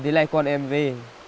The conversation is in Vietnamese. để lấy con em về